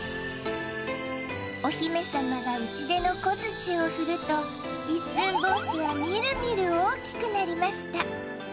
お姫様が打ち出の小づちを振ると一寸法師はみるみる大きくなりました。